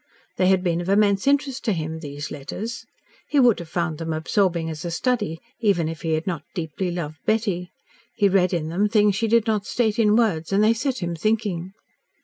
They had been of immense interest to him these letters. He would have found them absorbing as a study, even if he had not deeply loved Betty. He read in them things she did not state in words, and they set him thinking.